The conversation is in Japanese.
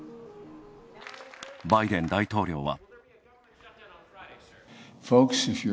バイデン大統領は。